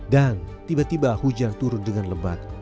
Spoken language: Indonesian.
dan tiba tiba hujan turun dengan lembat